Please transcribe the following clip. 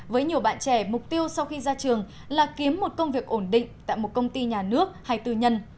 với nhiều bạn trẻ mục tiêu sau khi ra trường là kiếm một công việc ổn định tại một công ty nhà nước hay tư nhân